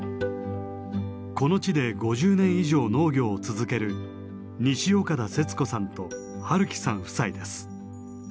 この地で５０年以上農業を続ける西岡田節子さんと治豈さん夫妻です。